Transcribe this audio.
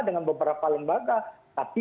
dengan beberapa lembaga tapi